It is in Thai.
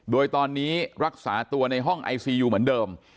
โดยตอนนี้รักษาตัวในห้องไอซียูเหมือนเดิม